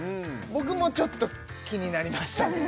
僕もちょっと気になりましたね